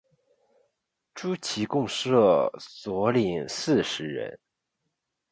诸旗共设佐领四十人。